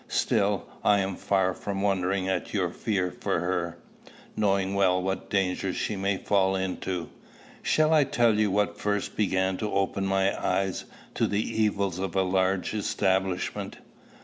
Still, I am far from wondering at your fear for her, knowing well what dangers she may fall into. Shall I tell you what first began to open my eyes to the evils of a large establishment?